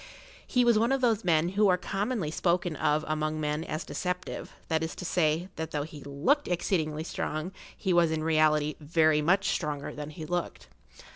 He was one of those men who are commonly spoken of among men as deceptive; that is to say, that though he looked exceedingly strong he was in reality very much stronger than he looked.